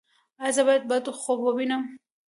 ایا زه باید بد خوب ووینم؟